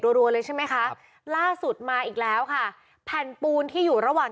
รัวเลยใช่ไหมคะครับล่าสุดมาอีกแล้วค่ะแผ่นปูนที่อยู่ระหว่าง